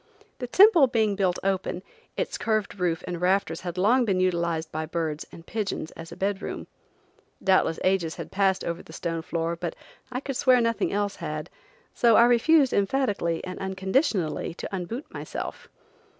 The temple being built open, its curved roof and rafters had long been utilized by birds and pigeons as a bed room. Doubtless ages had passed over the stone floor, but I could swear nothing else had, so I refused emphatically and unconditionally to un boot myself.